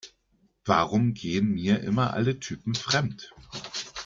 Warum gehen mir immer alle Typen fremd?